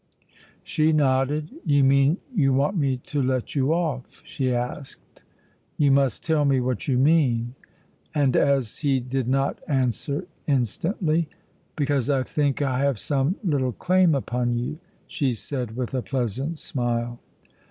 She nodded. "You mean you want me to let you off?" she asked. "You must tell me what you mean." And as he did not answer instantly, "Because I think I have some little claim upon you," she said, with a pleasant smile.